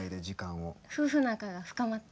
夫婦仲が深まって。